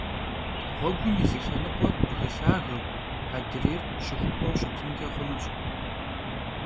Ğuegum yi zı lhenıkhuer bgı lhageu, adrêyr şıxup'eu şıtınç'e xhunuş.